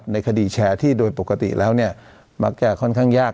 ในคดีแชร์ที่โดยปกติแล้วเนี่ยมักจะค่อนข้างยาก